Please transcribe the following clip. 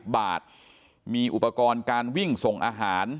บาทมีอุปกรณ์การวิ่งส่งอาหาร